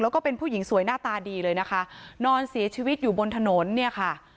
แล้วก็เป็นผู้หญิงสวยหน้าตาดีเลยนะคะนอนเสียชีวิตอยู่บนถนนเนี่ยค่ะ